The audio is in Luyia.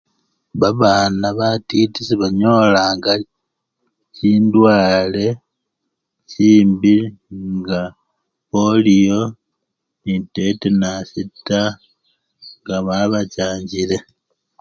Babana batiti sebanyolanga chindwale chimbi nga poliyo ne tetenasii taa nga babachanjile.